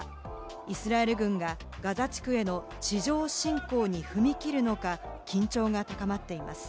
イスラエル軍がガザ地区への地上侵攻に踏み切るのか、緊張が高まっています。